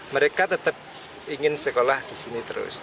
mereka tetap ingin sekolah di sini terus